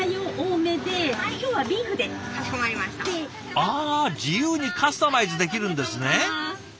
あ自由にカスタマイズできるんですね。